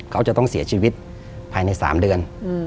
เขาจะต้องเสียชีวิตภายใน๓เดือน